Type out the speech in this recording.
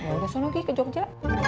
ya udah sonogi ke jogja